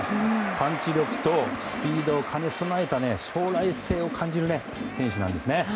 パンチ力とスピードを兼ね備えた将来性を感じる選手なんですね。